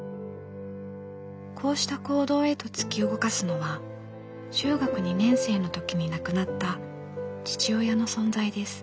こうした行動へと突き動かすのは中学２年生の時に亡くなった父親の存在です。